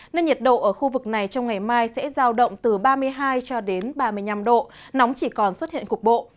nên nhiệt độ ở khu vực này trong ngày mai sẽ giao động từ ba mươi hai cho đến ba mươi năm độ nóng chỉ còn xuất hiện cục bộ